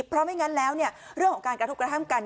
เพราะไม่งั้นแล้วเรื่องของการกระทบกระทั่งกัน